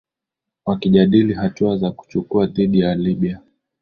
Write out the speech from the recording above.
wakijadili hatua za kuchukua dhidi ya libya